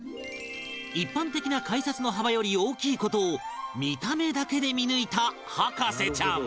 一般的な改札の幅より大きい事を見た目だけで見抜いた博士ちゃん